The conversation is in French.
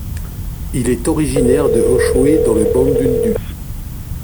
Il est originaire de Oshwe, dans le Bandundu.